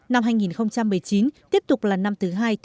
năm hai nghìn một mươi chín tiếp tục là năm thứ hai